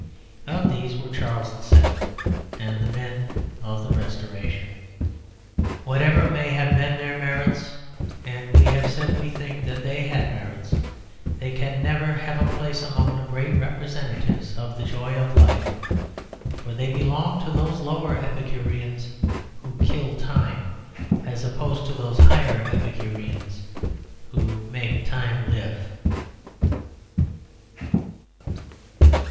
Of these were Charles II. and the men of the Restoration. Whatever may have been their merits, and as we have said we think that they had merits, they can never have a place among the great representatives of the joy of life, for they belonged to those lower epicureans who kill time, as opposed to those higher epicureans who make time live.